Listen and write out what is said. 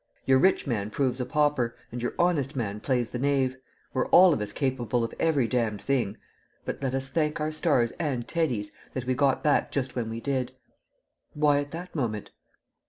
Your rich man proves a pauper, and your honest man plays the knave; we're all of us capable of every damned thing. But let us thank our stars and Teddy's that we got back just when we did." "Why at that moment?"